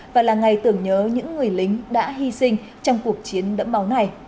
và là ngày tưởng nhớ những người lính đã hy sinh trong cuộc chiến đẫm máu này